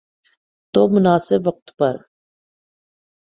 تو مناسب وقت پر۔